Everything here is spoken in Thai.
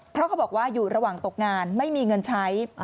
เพราะเขาบอกว่าอยู่ระหว่างตกงานไม่มีเงินใช้